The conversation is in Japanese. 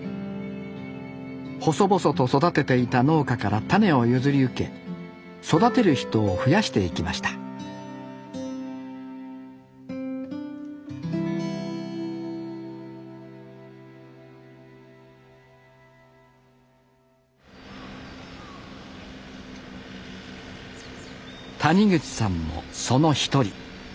細々と育てていた農家から種を譲り受け育てる人を増やしていきました谷口さんもその一人。